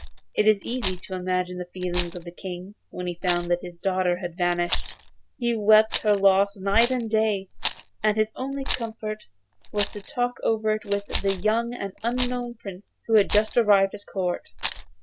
It is easy to imagine the feelings of the King when he found that his daughter had vanished. He wept her loss night and day, and his only comfort was to talk over it with a young and unknown prince, who had just arrived at the Court.